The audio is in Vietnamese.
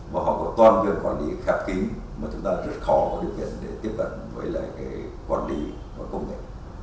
và họ có toàn bộ quản lý khép kín mà chúng ta rất khó có điều kiện để tiếp cận với lại quản lý và công nghệ